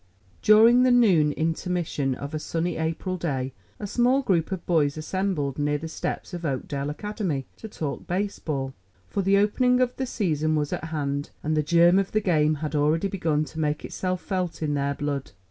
During the noon intermission of a sunny April day a small group of boys assembled near the steps of Oakdale Academy to talk baseball; for the opening of the season was at hand, and the germ of the game had already begun to make itself felt in their blood.